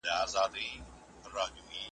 چي اوزګړی په کوهي کي را نسکور سو .